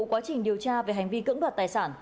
quá trình điều tra về hành vi cưỡng đoạt tài sản